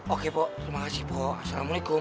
oke pak terima kasih pak assalamualaikum